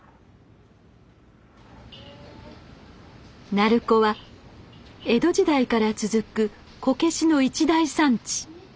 鳴子は江戸時代から続くこけしの一大産地。